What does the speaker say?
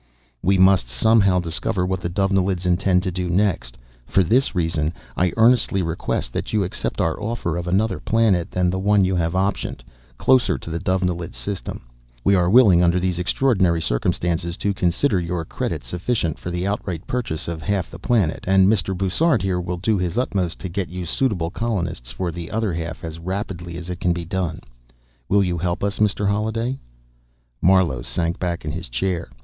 "We must, somehow, discover what the Dovenilids intend to do next. For this reason, I earnestly request that you accept our offer of another planet than the one you have optioned, closer to the Dovenilid system. We are willing, under these extraordinary circumstances, to consider your credit sufficient for the outright purchase of half the planet, and Mr. Bussard, here, will do his utmost to get you suitable colonists for the other half as rapidly as it can be done. Will you help us, Mr. Holliday?" Marlowe sank back in his chair.